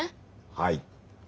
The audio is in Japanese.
はい。